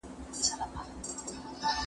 په لوی لاس ځان د بلا مخي ته سپر کړم